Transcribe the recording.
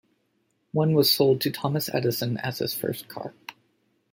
One was sold to Thomas Edison as his first car.